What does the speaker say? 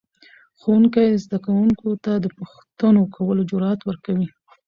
ښوونکی زده کوونکو ته د پوښتنو کولو جرأت ورکوي